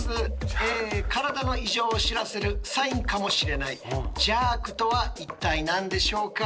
え体の異常を知らせるサインかもしれないジャークとは一体何でしょうか？